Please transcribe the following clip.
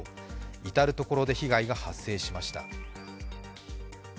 至る所で被害が発生しました。